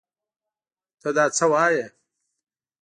تۀ دا څه وايې ؟